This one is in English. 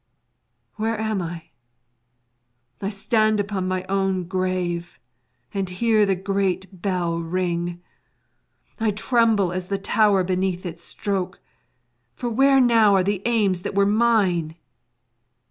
Where am I? I stand upon my own grave, and hear the great bell ring. I tremble as the tower beneath its stroke, for where now are the aims that were mine?